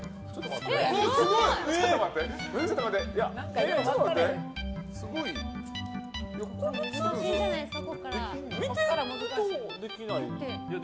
ちょっと待って。